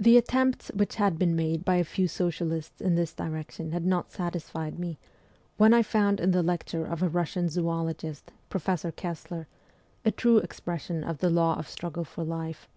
The attempts which had been made by a few socialists in this direction had not satisfied me, when I found in a lecture of a Russian zoologist, Prof. Kessler, a true expression of the law of struggle for life.